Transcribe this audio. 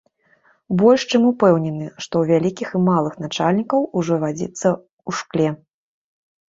Больш чым упэўнены, што ў вялікіх і малых начальнікаў ужо вадзіца ў шкле.